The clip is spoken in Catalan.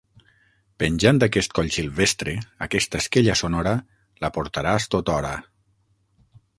Penjant d'aquest coll silvestre, aquesta esquella sonora la portaràs tothora.